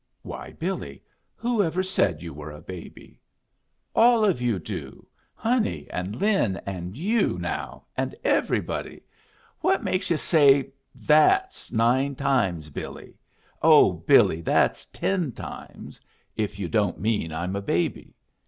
"Why, Billy, who ever said you were a baby?" "All of you do. Honey, and Lin, and you, now, and everybody. What makes you say 'that's nine times, Billy; oh, Billy, that's ten times,' if you don't mean I'm a baby?